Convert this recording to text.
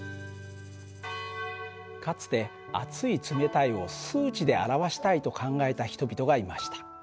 かつて熱い冷たいを数値で表したいと考えた人々がいました。